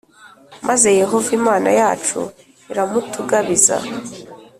maze Yehova Imana yacu iramutugabiza,